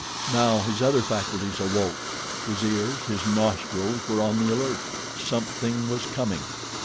Now his other faculties awoke. His ears, his nostrils were on the alert. Something was coming!